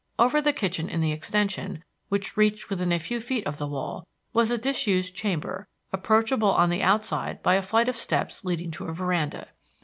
Over the kitchen in the extension, which reached within a few feet of the wall, was a disused chamber, approachable on the outside by a flight of steps leading to a veranda.